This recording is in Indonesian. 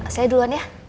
saya duluan ya